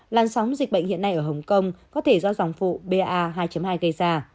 làn sóng dịch bệnh hiện nay ở hồng kông có thể do dòng phụ ba hai gây ra